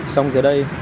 sông dưới đây